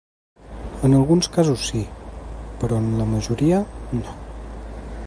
En alguns casos, sí, però en la majoria no.